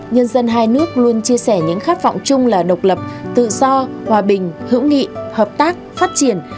nhân dân hai nước luôn chia sẻ những khát vọng chung là độc lập tự do hòa bình hữu nghị hợp tác phát triển